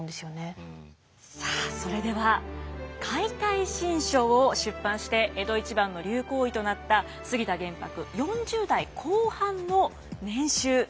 さあそれでは「解体新書」を出版して江戸一番の流行医となった杉田玄白４０代後半の年収稼ぎいくらだと思いますか？